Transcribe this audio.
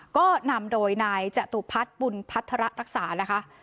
ก็นำโดยนายจตุพัฒน์บุญพัฒระรักษานะคะ